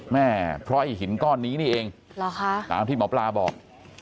แม่เพราะไอ้หินก้อนนี้นี่เองตามที่หมอปลาบอก